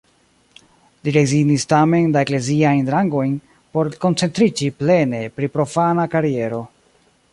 Li rezignis tamen la ekleziajn rangojn, por koncentriĝi plene pri profana kariero.